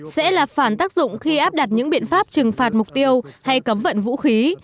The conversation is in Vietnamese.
sẽ là phản tác dụng khi áp đặt những biện pháp trừng phạt mục tiêu hay cấm vận vũ khí